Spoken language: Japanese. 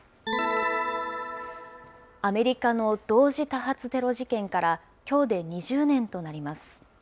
アメリカの同時多発テロ事件からきょうで２０年となります。